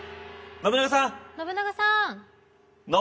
信長さん。